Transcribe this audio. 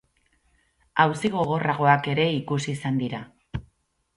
Auzi gogorragoak ere ikusi izan dira.